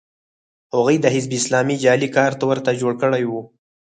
هغوی د حزب اسلامي جعلي کارت ورته جوړ کړی و